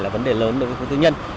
vấn đề lớn đối với khối tư nhân